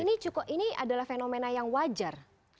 ini cukup ini adalah fenomena yang wajar